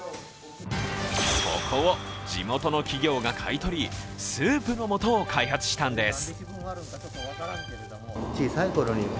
そこを地元の企業が買い取り、スープのもとを開発したんです。